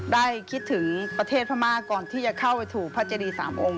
คิดถึงประเทศพม่าก่อนที่จะเข้าไปถูกพระเจดีสามองค์